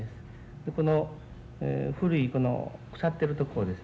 この古いこの腐ってるところをですね